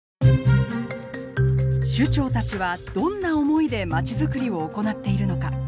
首長たちはどんな思いでまちづくりを行っているのか。